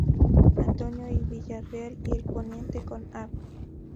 Antonio I. Villarreal y al poniente con Av.